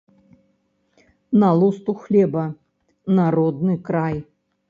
На лусту хлеба, на родны край.